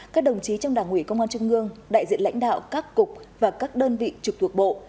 các đồng chí trong đảng ủy công an trung ương đại diện lãnh đạo các cục và các đơn vị trực thuộc bộ